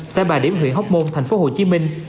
xã bà điểm huyện hóc môn thành phố hồ chí minh